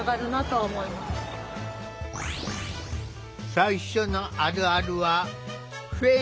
最初のあるあるはフェンスで解消。